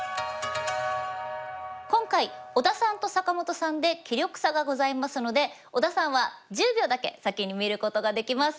今回小田さんと坂本さんで棋力差がございますので小田さんは１０秒だけ先に見ることができます。